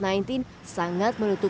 sangat menutupkan pemerintah